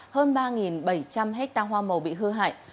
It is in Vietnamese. hơn ba bảy trăm linh hectare hoa màu bị hư hại